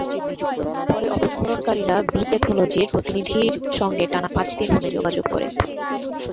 পরে অপহরণকারীরা বি-টেকনোলজির প্রতিনিধির সঙ্গে টানা পাঁচ দিন ফোনে যোগাযোগ করে।